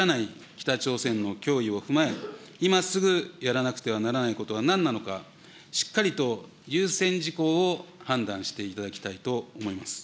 北朝鮮の脅威を踏まえ、今すぐやらなくてはならないことはなんなのか、しっかりと優先事項を判断していただきたいと思います。